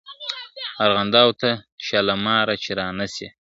ارغنداو ته شالماره چي رانه سې `